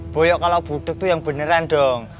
boyo kalau budak tuh yang beneran dong